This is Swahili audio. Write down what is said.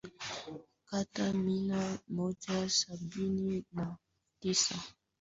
Kata mia moja sabini na tisa